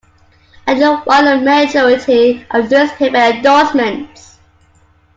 Adler won a majority of newspaper endorsements.